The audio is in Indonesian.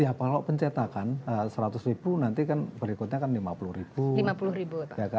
ya kalau pencetakan rp seratus nanti kan berikutnya kan rp lima puluh